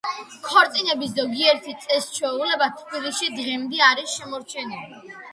ქორწინების ზოგიერთი წეს-ჩვეულება თბილისში დღემდე არის შემორჩენილი.